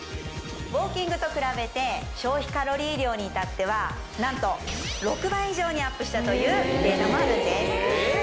ウォーキングと比べて消費カロリー量にいたっては何と６倍以上にアップしたというデータもあるんですえっ？